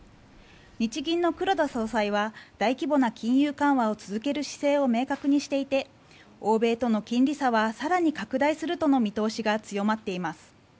日銀の黒田総裁は大規模な金融緩和を続ける姿勢を明確にしていて欧米との金利差は更に拡大するとの見通しが強まっています。